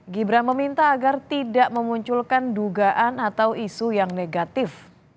gibran meminta agar tidak memunculkan dugaan atau isu yang negatif